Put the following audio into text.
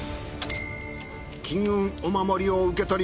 金運お守りを受け取り。